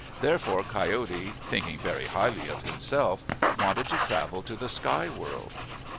Therefore Coyote, thinking very highly of himself, wanted to travel to the sky world.